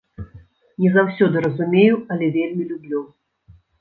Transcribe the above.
Не заўсёды разумею, але вельмі люблю.